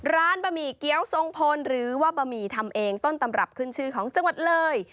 บะหมี่เกี้ยวทรงพลหรือว่าบะหมี่ทำเองต้นตำรับขึ้นชื่อของจังหวัดเลย